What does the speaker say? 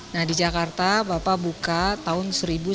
nah di jakarta bapak buka tahun seribu sembilan ratus sembilan puluh